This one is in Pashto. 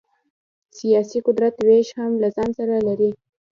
سیاسي قدرت وېش هم له ځان سره لري.